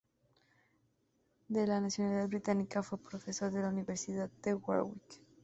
De nacionalidad británica, fue profesor en la Universidad de Warwick.